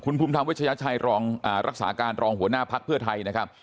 ภูมิธรรมเวชยชัยรองรักษาการรองหัวหน้าภักดิ์เพื่อไทยนะครับ